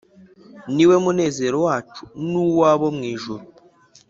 Ni we munezero wacu N'uw'abo mw ijuru